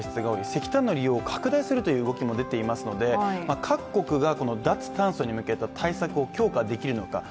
石炭の量を減らすということですので各国が脱炭素に向けた対策を強化できるのか。